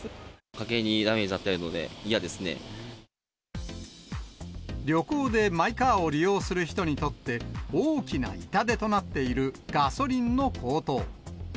家計にダメージを与えるので、旅行でマイカーを利用する人にとって、大きな痛手となっているガソリンの高騰。